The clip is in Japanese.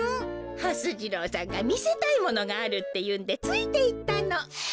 はす次郎さんがみせたいものがあるっていうんでついていったの。